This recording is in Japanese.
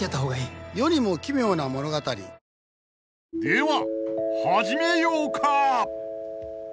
［では始めようか］